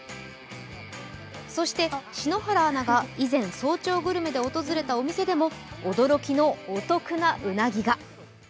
そして、篠原アナが以前、早朝グルメで訪れたお店でも驚きのお得なうなぎが。